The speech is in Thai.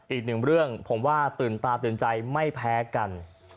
อีกหนึ่งเรื่องผมว่าตื่นตาตื่นใจไม่แพ้กัน